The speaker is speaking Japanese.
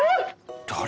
誰？